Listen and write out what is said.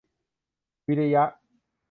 วิริยะ